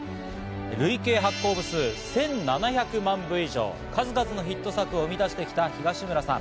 累計発行部数１７００万部以上、数々のヒット作を生み出してきた東村さん。